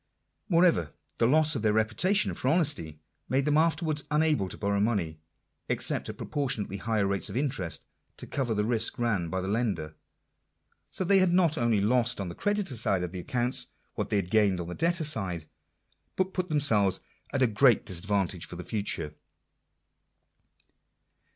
Moreover, the loss of their reputation for honesty made them afterwards unable to borrow money, except at proportionately high rates of interest, to cover the risk ran by the lender/' So that they not only lost on the creditor side of their accounts what they gained on the debtor side, but put themselves at a great disadvantage for the future.